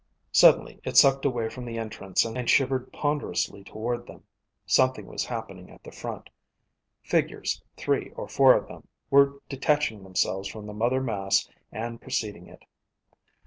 Suddenly it sucked away from the entrance and shivered ponderously toward them. Something was happening at the front. Figures, three or four of them, were detaching themselves from the mother mass and preceding it.